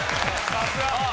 さすが！